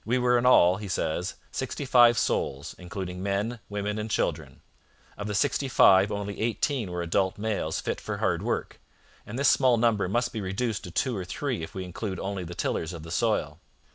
'We were in all,' he says, 'sixty five souls, including men, women, and children.' Of the sixty five only eighteen were adult males fit for hard work, and this small number must be reduced to two or three if we include only the tillers of the soil.